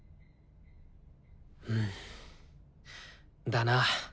うんだな。